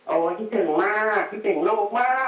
โอ้คิดถึงมาก